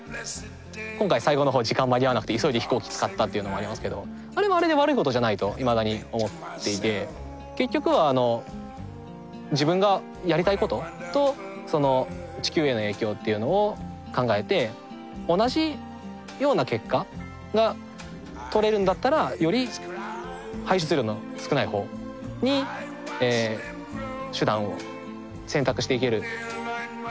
今回最後のほう時間間に合わなくて急いで飛行機使ったっていうのもありますけどあれはあれで悪いことじゃないといまだに思っていて結局は自分がやりたいことと地球への影響っていうのを考えて同じような結果がとれるんだったらより排出量の少ないほうに手段を選択していける。